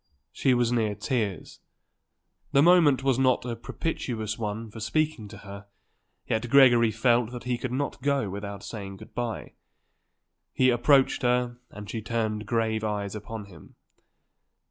She was near tears. The moment was not a propitious one for speaking to her; yet Gregory felt that he could not go without saying good bye. He approached her and she turned grave eyes upon him.